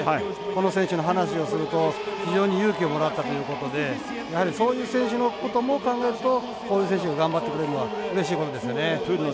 この選手の話をすると非常に勇気をもらったということでやはりそういう選手のことも考えるとこういう選手が頑張ってくれるのはうれしいことですよね。